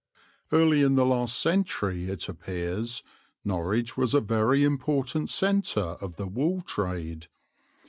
Early in the last century, it appears, Norwich was a very important centre of the wool trade.